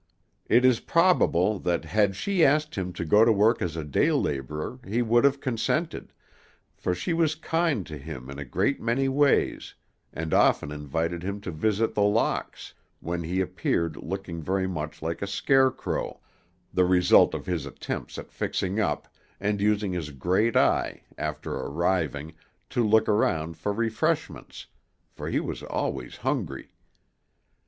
It is probable that had she asked him to go to work as a day laborer he would have consented, for she was kind to him in a great many ways, and often invited him to visit The Locks, when he appeared looking very much like a scarecrow, the result of his attempts at fixing up, and using his great eye, after arriving, to look around for refreshments, for he was always hungry.